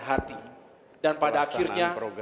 hati dan pada akhirnya